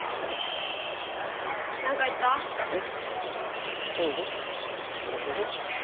ううん別に。